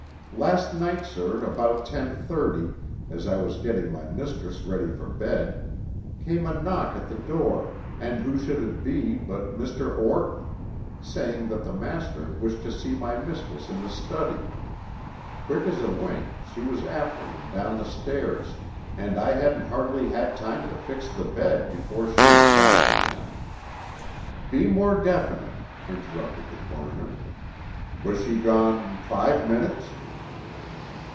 "Last night, sir, about ten thirty, as I was getting my mistress ready for bed, came a knock at the door and who should it be but Mr. Orton, saying that the master wished to see my mistress in the study. Quick as a wink she was after him down the stairs, and I hadn't hardly had time to fix the bed before she was back again " "Be more definite," interrupted the coroner. "Was she gone five minutes?"